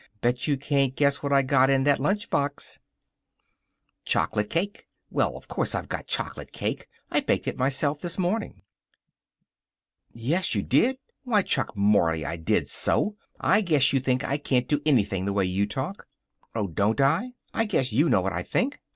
"Bet you can't guess what I got in that lunch box." "Chocolate cake." "Well, of course I've got chocolate cake. I baked it myself this morning." "Yes, you did!" "Why, Chuck Mory, I did so! I guess you think I can't do anything, the way you talk." "Oh, don't I! I guess you know what I think."